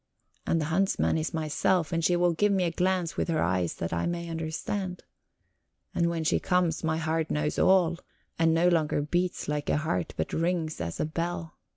And the huntsman is myself, and she will give me a glance of her eyes that I may understand. And when she comes, my heart knows all, and no longer beats like a heart, but rings as a bell.